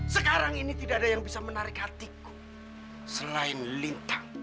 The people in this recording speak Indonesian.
sekarang ini tidak ada yang bisa menarik hatiku selain lintang